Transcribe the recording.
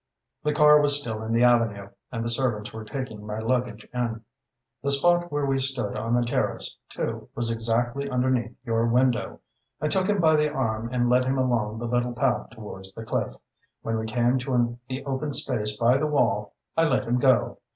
The car was still in the avenue and the servants were taking my luggage in. The spot where we stood on the terrace, too, was exactly underneath your window. I took him by the arm and I led him along the little path towards the cliff. When we came to the open space by the wall, I let him go.